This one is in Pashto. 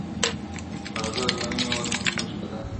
د غزل عنوان مي ورکي و ښکلا ته,